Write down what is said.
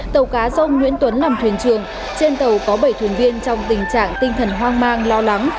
tàu cá do ông nguyễn tuấn làm thuyền trường trên tàu có bảy thuyền viên trong tình trạng tinh thần hoang mang lo lắng